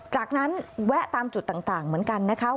จากนั้นแวะตามจุดต่างเหมือนกันนะคะ